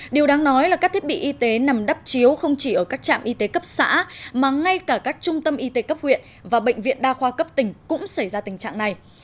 điều đáng nói là các thiết bị y tế nằm đắp chiếu không chỉ ở các trạm y tế cấp xã mà ngay cả các trung tâm y tế cấp huyện và bệnh viện đa khoa cấp tỉnh cũng xảy ra tình trạng này